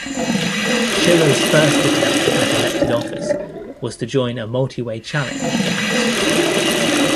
Shiller's first attempt at elected office was to join a multi-way challenge to Axelrod.